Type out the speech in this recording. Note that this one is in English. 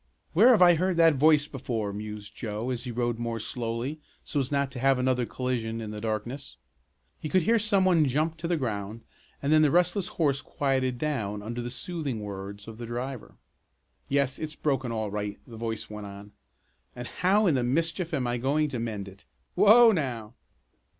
"Where have I heard that voice before?" mused Joe as he rode more slowly so as not to have another collision in the darkness. He could hear some one jump to the ground and then the restless horse quieted down under the soothing words of the driver. "Yes, it's broken all right," the voice went on. "And how in the mischief am I going to mend it? Whoa, now!"